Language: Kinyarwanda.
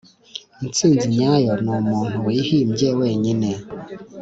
intsinzi nyayo numuntu wihimbye wenyine.